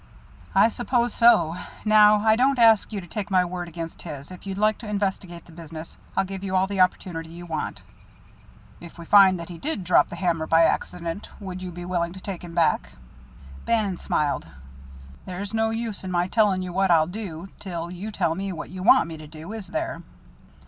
"I suppose so. Now, I don't ask you to take my word against his. If you'd like to investigate the business, I'll give you all the opportunity you want." "If we find that he did drop the hammer by accident, would you be willing to take him back?" Bannon smiled. "There's no use in my telling you what I'll do till you tell me what you want me to do, is there?"